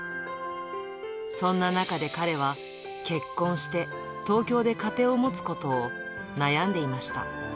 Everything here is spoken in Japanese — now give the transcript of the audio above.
そんな中で彼は、結婚して、東京で家庭を持つことを悩んでいました。